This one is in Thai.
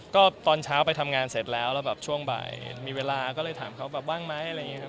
ก็ตอนเช้าไปทำงานเสร็จแล้วแล้วแบบช่วงบ่ายมีเวลาก็เลยถามเขาแบบว่างไหมอะไรอย่างนี้ครับ